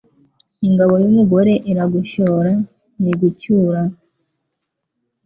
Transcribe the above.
Ingabo y’umugore iragushora ntigucyura